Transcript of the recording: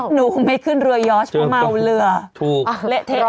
หนูไม่ขึ้นเรือยอร์ชเพราะเมาเรือ